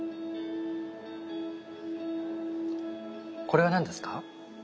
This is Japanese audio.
これは何ですか？